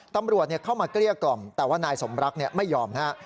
ตำรวจเข้ามาเกลี้ยกล่อมแต่ว่านายสมรักไม่ยอมนะฮะ